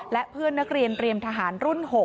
และเพื่อนนักเรียนเตรียมทหารรุ่น๖